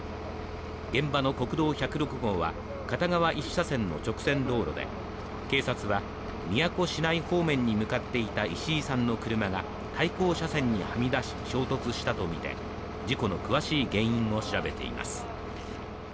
現場の国道１０６号は片側１車線の直線道路で警察は宮古市内方面に向かっていた石井さんの車が対向車線にはみ出し衝突したとみて事故の詳しい原因を調べています